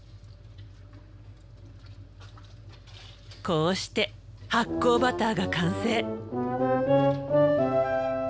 こうして発酵バターが完成。